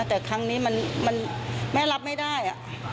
แต่ครั้งนี้มันแม่รับไม่ได้